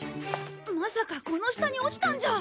まさかこの下に落ちたんじゃ。